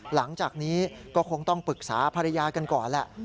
หลังจากนี้ก็คงต้องปรึกษาภรรยากันก่อนแหละ